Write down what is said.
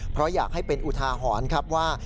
เพราะอยากให้เป็นอุทาหรณ์ครับว่า